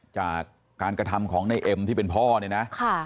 จากการกระทำของในเอ็มที่เป็นพ่อเนี่ยนะ